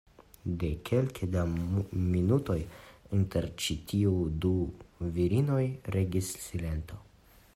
De kelke da minutoj inter ĉi tiuj du virinoj regis silento.